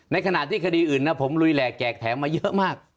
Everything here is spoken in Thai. ในขณะที่คดีอื่นนะผมลุยแหลกแจกแถมมาเยอะมาก